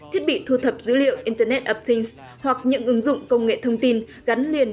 thiết bị thu thập dữ liệu internet of things hoặc những ứng dụng công nghệ thông tin gắn liền